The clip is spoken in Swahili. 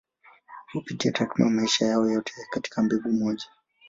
Hupitia takriban maisha yao yote katika mbegu moja.